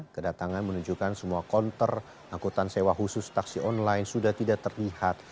kedatangan menunjukkan semua konter angkutan sewa khusus taksi online sudah tidak terlihat